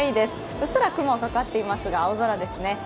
うっすら雲がかかっていますが青空ですね。